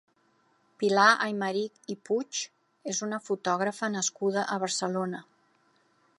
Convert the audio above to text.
Pilar Aymerich i Puig és una fotògrafa nascuda a Barcelona.